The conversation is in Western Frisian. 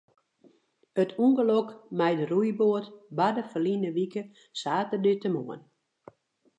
It ûngelok mei de roeiboat barde ferline wike saterdeitemoarn.